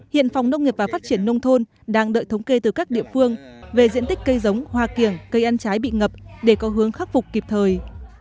hiện phòng nông nghiệp và phát triển nông thôn đang đợi thống kê từ các địa phương về diện tích cây giống hoa kiểng cây ăn trái bị ngập để có hướng khắc phục kịp thời